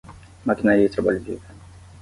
Maquinaria e Trabalho Vivo